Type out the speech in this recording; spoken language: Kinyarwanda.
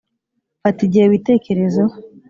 fata igihe witekekerezo